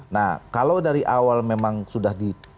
nah kalau dari awal memang sudah di